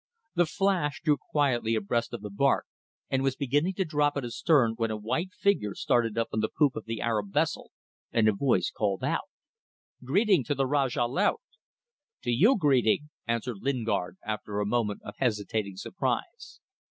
The Flash drew quietly abreast of the barque, and was beginning to drop it astern when a white figure started up on the poop of the Arab vessel, and a voice called out "Greeting to the Rajah Laut!" "To you greeting!" answered Lingard, after a moment of hesitating surprise.